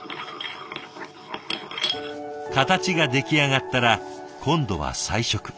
形が出来上がったら今度は彩色。